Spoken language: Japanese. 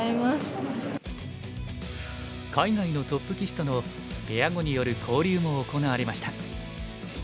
海外のトップ棋士とのペア碁による交流も行われました。